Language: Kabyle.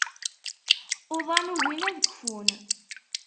Uḍan ugin ad kfun.